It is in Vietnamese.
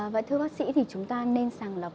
và thưa bác sĩ thì chúng ta nên sàng lọc